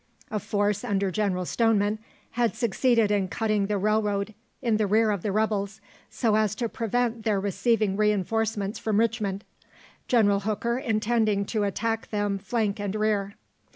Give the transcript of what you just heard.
A force under General Stoneman had succeeded in cutting the railroad in the rear of the rebels, so as to prevent their receiving reinforcements from Richmond, General Hooker intending to attack them flank and rear.